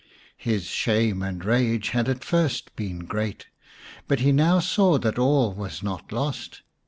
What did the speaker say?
His shame and rage had at first been great, but he now saw that all was not lost.